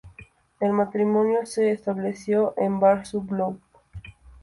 El matrimonio se estableció en Bar-sur-Loup.